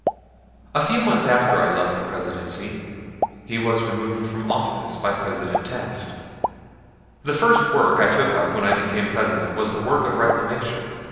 A few months after I left the Presidency he was removed from office by President Taft. The first work I took up when I became President was the work of reclamation.